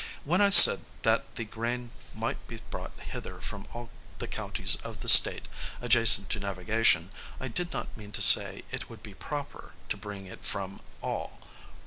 When I said that the grain might be brought hither from all the counties of the State, adjacent to navigation, I did not mean to say it would be proper to bring it from all.